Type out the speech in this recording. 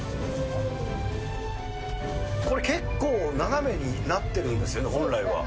これ結構、斜めになってるんですよね、本来は。